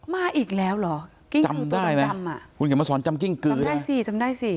มาอีกแล้วหรอกิ้งกึตัวดำอ่ะจำได้มั้ย